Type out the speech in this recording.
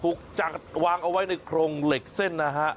หูกจังทร์วางเอาไว้ในโครงเหล็กเส้นน้ำ